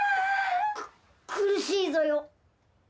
くっ苦しいぞよ。